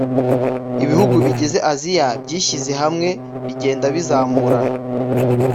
Ibihugu bigize Aziya byishyize hamwe bigenda bizamurana